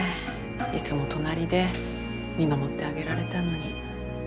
いつも隣で見守ってあげられたのに。